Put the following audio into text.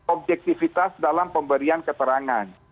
objektifitas dalam pemberian keterangan